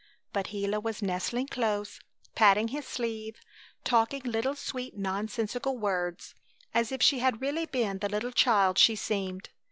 But Gila was nestling close, patting his sleeve, talking little, sweet nonsensical words as if she had really been the little child she seemed.